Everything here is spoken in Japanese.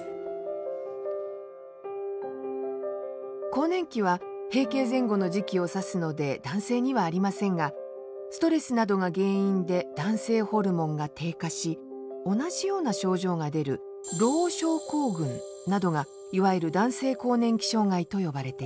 更年期は閉経前後の時期を指すので男性にはありませんがストレスなどが原因で男性ホルモンが低下し同じような症状が出るＬＯＨ症候群などがいわゆる男性更年期障害と呼ばれています。